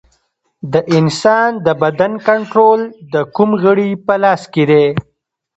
د انسان د بدن کنټرول د کوم غړي په لاس کې دی